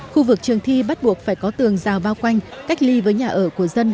khu vực trường thi bắt buộc phải có tường rào bao quanh cách ly với nhà ở của dân